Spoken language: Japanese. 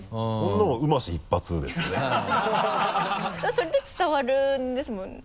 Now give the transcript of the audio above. それで伝わるんですもんね。